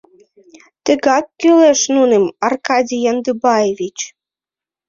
— Тыгак кӱлеш нуным, Аркадий Яндыбаевич!